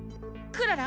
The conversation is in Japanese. クララ？